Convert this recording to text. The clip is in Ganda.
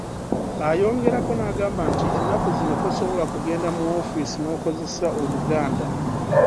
Ayongerako n'agamba nti ennaku zino tosobola kugenda mu wofiisi n'okozesa Oluganda.